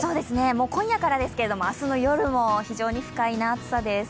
今夜からですけれども、明日の夜も非常に不快な暑さです。